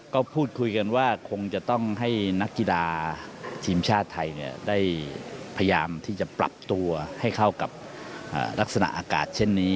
ก็พูดคุยกันว่าคงจะต้องให้นักกีฬาทีมชาติไทยได้พยายามที่จะปรับตัวให้เข้ากับลักษณะอากาศเช่นนี้